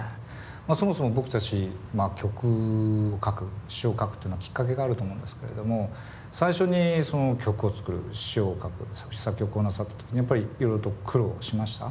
まあそもそも僕たち曲を書く詞を書くっていうのはきっかけがあると思うんですけれども最初にその曲を作る詞を書く作詞作曲をなさった時にやっぱりいろいろと苦労しました？